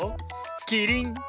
キリン！